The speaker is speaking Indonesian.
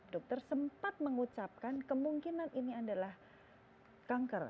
dokter sempat mengucapkan kemungkinan ini adalah kanker